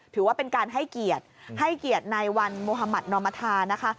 ถือว่าเป็นการให้เกียรติให้เกียรติในวันมุธมัธนอมธานะคะ